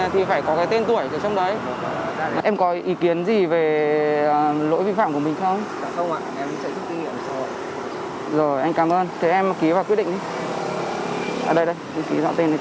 thế em ký vào quyết định đi